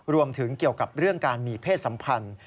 รวมถึงเกี่ยวกับเรื่องการมีเพศสัมพันธ์